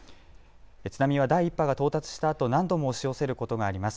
津波は第１波が到達したあと何度も押し寄せることがあります。